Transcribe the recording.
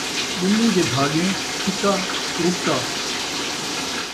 ٻلی دے بھاڳیں چھِکا تُرٹا